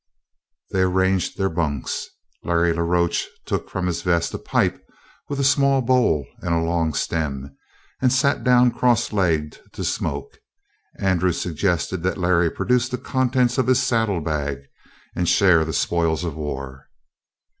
They arranged their bunks; Larry la Roche took from his vest a pipe with a small bowl and a long stem and sat down cross legged to smoke. Andrew suggested that Larry produce the contents of his saddlebag and share the spoils of war.